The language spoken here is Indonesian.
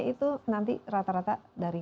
itu nanti rata rata dari